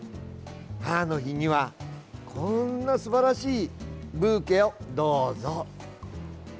母の日には、こんなすばらしいブーケをどうぞ。